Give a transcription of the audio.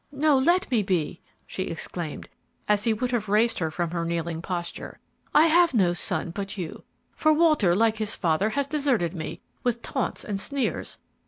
No, let me be!" she exclaimed, as he would have raised her from her kneeling posture. "I have no son but you, for Walter, like his father, has deserted me, with taunts and sneers.